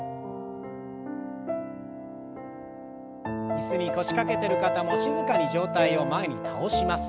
椅子に腰掛けてる方も静かに上体を前に倒します。